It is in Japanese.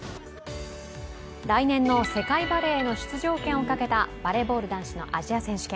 来年の世界バレーへの出場権を懸けたバレーボール男子のアジア選手権。